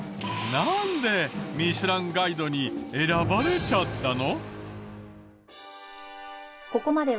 なんで『ミシュランガイド』に選ばれちゃったの？